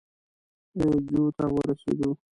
اي جو ته ورسېدو.